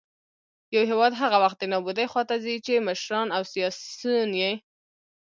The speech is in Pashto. يـو هـېواد هـغه وخـت د نـابـودۍ خـواتـه ځـي ،چـې مـشران او سـياسيون يـې